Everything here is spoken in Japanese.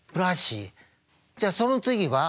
じゃあその次は？